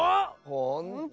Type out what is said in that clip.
ほんと？